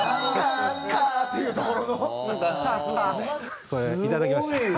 これいただきました。